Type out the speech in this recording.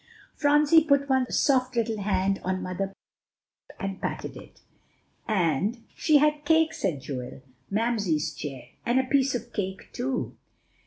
Phronsie put one soft little hand on Mother Pepper's lap, and patted it. "And she had cake," said Joel; "Mamsie's chair, and a piece of cake too."